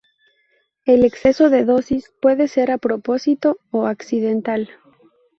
El exceso de dosis puede ser a propósito o accidental.